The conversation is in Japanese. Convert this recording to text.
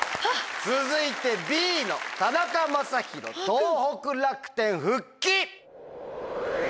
続いてＢの田中将大東北楽天復帰。